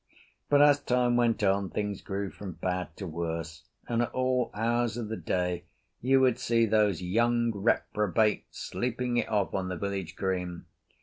But as time went on, things grew from bad to worse, and at all hours of the day you would see those young reprobates sleeping it off on the village green.